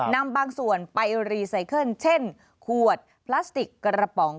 นำบางส่วนไปรีไซเคิลเช่นขวดพลาสติกกระป๋อง